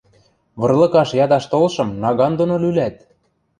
Вырлыкаш ядаш толшым наган доно лӱлӓт!